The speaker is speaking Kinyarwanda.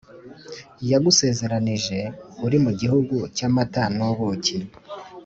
yagusezeranije uri mu gihugu cy amata n ubuki